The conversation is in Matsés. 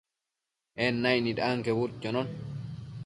En naicnid anquebudquionon